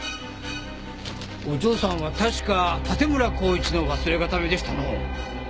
お嬢さんは確か盾村孝一の忘れ形見でしたのう。